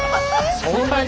そんなに？